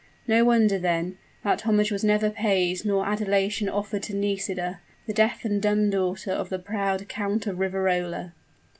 No wonder, then, that homage was never paid nor adulation offered to Nisida the deaf and dumb daughter of the proud Count of Riverola!